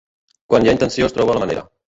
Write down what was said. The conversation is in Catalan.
Quan hi ha intenció es troba la manera.